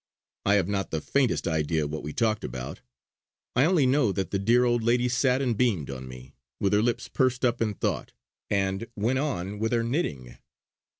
I have not the faintest idea what we talked about; I only know that the dear old lady sat and beamed on me, with her lips pursed up in thought, and went on with her knitting.